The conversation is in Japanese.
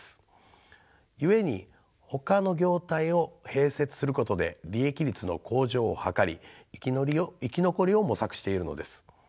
故にほかの業態を併設することで利益率の向上を図り生き残りを模索しているのです。